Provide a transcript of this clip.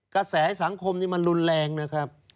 กระแสสังคมนี่มันรุนแรงนะครับ